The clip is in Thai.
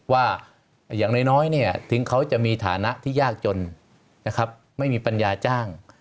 ว่าอย่างน้อยเนี่ยถึงเขาจะมีฐานะที่ยากจนนะครับไม่มีปัญญาจ้าง